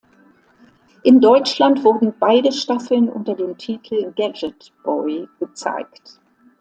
In Deutschland wurden beide Staffeln unter dem Titel "Gadget Boy" gezeigt.